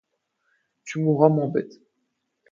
Tu mourras moins bête...